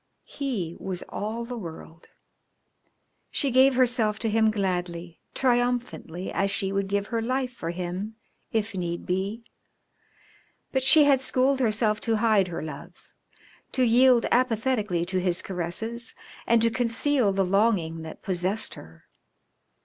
He was all the world. She gave herself to him gladly, triumphantly, as she would give her life for him if need be. But she had schooled herself to hide her love, to yield apathetically to his caresses, and to conceal the longing that possessed her.